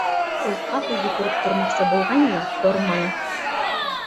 Ул ҡапыл һикереп тормаҡсы булғайны ла... торманы.